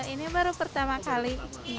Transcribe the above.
ini baru pertama kali